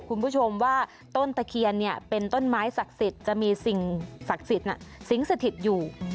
คุณผู้ชมว่าต้นตะเคียนเป็นต้นไม้ศักดิ์สิทธิ์จะมีสิ่งศักดิ์สิทธิ์สิงสถิตอยู่